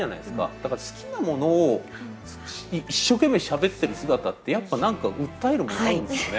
だから好きなものを一生懸命しゃべってる姿ってやっぱ何か訴えるものがあるんですよね。